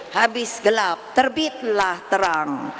habis gelap terbitlah terang